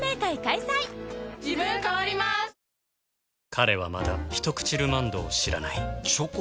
彼はまだ「ひとくちルマンド」を知らないチョコ？